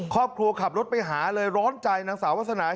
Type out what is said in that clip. ครอบครัวขับรถไปหาเลยร้อนใจนางสาววาสนา